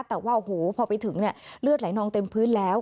แต่ว่าโอ้โหพอไปถึงเนี่ยเลือดไหลนองเต็มพื้นแล้ว